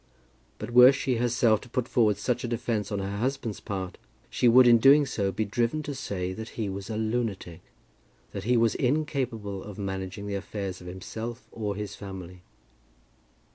But were she herself to put forward such a defence on her husband's part, she would in doing so be driven to say that he was a lunatic, that he was incapable of managing the affairs of himself or his family.